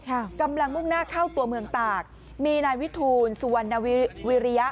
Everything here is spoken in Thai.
กำลังมุ่งหน้าเข้าตัวเมืองตากมีนายวิทูลสุวรรณวิริยะ